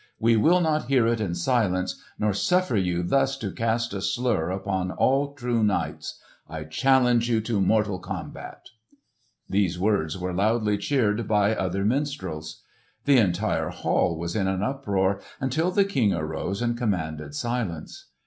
We will not hear it in silence, nor suffer you thus to cast a slur upon all true knights. I challenge you to mortal combat!" These words were loudly cheered by other minstrels. The entire hall was in an uproar until the King arose and commanded silence.